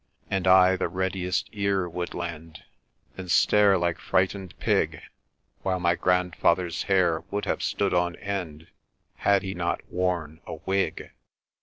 And I the readiest ear would lend, 'And stare like frighten'd pig ! While my Grandfather's hair would have stood up on end, Had he not worn a wig.